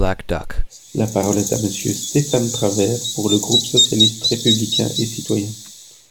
La parole est à Monsieur Stéphane Travert, pour le groupe socialiste, républicain et citoyen.